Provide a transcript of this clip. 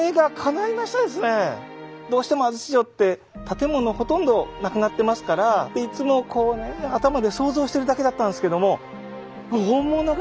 どうしても安土城って建物ほとんどなくなってますからいつもこうね頭で想像してるだけだったんですけども本物がある！